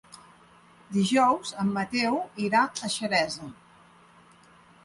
Dijous en Mateu irà a Xeresa.